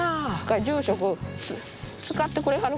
住職使ってくれはるかな。